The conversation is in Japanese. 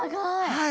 はい。